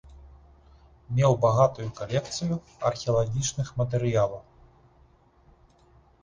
Меў багатую калекцыю археалагічных матэрыялаў.